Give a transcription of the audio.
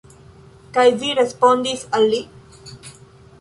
Kaj vi respondis al li?